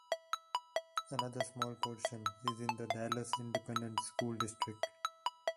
Another small portion is in the Dallas Independent School District.